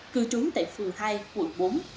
cư trú tại phường hai quận bốn